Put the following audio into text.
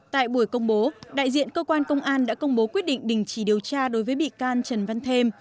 tại buổi công bố đại diện cơ quan công an đã công bố quyết định đình chỉ điều tra đối với bị can trần văn thêm